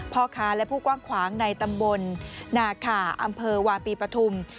พ่อค้าและผู้กว้างขวางในตำบลนาขาอำเภอวาปีปฐุม